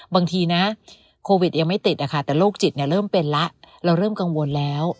บางทีนะโควิดยังไม่ติดอะค่ะแต่โรคจิตเริ่มเป็นแล้วเราเริ่มกังวลแล้ว